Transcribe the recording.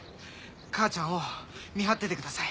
母ちゃんを見張っててください。